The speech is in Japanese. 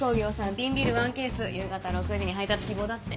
瓶ビール１ケース夕方６時に配達希望だって。